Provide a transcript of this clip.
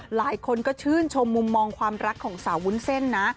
หลายคนก็ชื่นชมมุมมองความรักของสาววุ้นเส้นนะ